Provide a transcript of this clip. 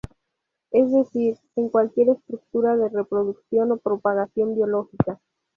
Es decir, es cualquier estructura de reproducción y propagación biológica.